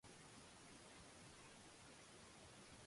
ٿارو ڪاڪو ڪيٿ رهيَ هيَ؟